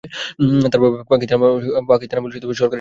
তার বাবা পাকিস্তান আমলে সরকারি চাকরি করতেন।